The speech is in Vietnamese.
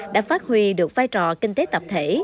đã phát huy được vai trò kinh tế tập thể